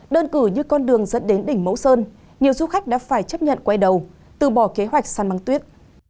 đơn cử như con đường dẫn đến đỉnh mẫu sơn nhiều du khách đã phải chấp nhận quay đầu từ bỏ kế hoạch săn băng tuyết